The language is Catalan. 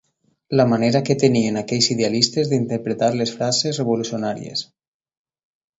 La manera que tenien aquells idealistes d'interpretar les frases revolucionàries.